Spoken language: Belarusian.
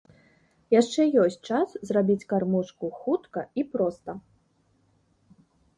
Яшчэ ёсць час зрабіць кармушку хутка і проста.